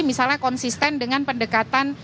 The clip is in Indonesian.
misalnya konsisten dengan pendekatan